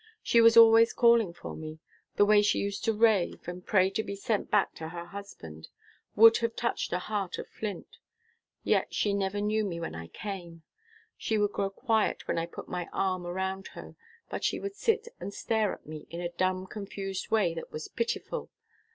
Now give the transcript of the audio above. She was always calling for me. The way she used to rave, and pray to be sent back to her husband, would have touched a heart of flint; yet she never knew me when I came. She would grow quiet when I put my arm around her, but she would sit and stare at me in a dumb, confused way that was pitiful.